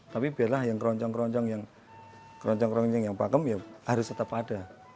tapi biarlah yang kroncong kroncong yang pakem ya harus tetap ada